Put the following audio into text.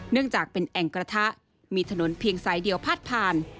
เนื่องจากเป็นแอ่งกระทะมีถนนเพียงสายเดียวพาดผ่าน